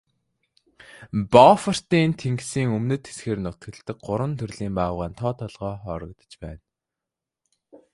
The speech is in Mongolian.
Бофортын тэнгисийн өмнөд хэсгээр нутагладаг гурван төрлийн баавгайн тоо толгой хорогдож байна.